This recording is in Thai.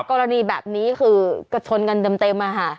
กรณีแบบนี้คือก็ชนกันเต็ม